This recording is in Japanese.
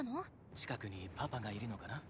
近くにパパがいるのかな？